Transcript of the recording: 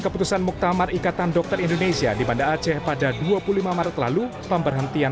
keputusan muktamar ikatan dokter indonesia di banda aceh pada dua puluh lima maret lalu pemberhentian